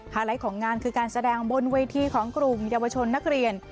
ไลท์ของงานคือการแสดงบนเวทีของกลุ่มเยาวชนนักเรียน